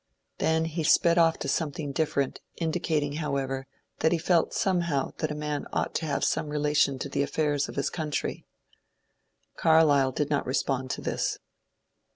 Then he sped o£E to something different, indicating, however, that he felt somehow that a man ought to have some relation to the affairs of his coun try. Carlyle did not respond to this.